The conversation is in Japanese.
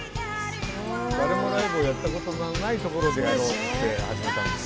誰もライブをやったことのないところでやろうって始めたんです。